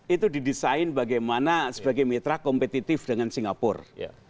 itu didesain bagaimana sebagai mitra kompetitif dengan singapura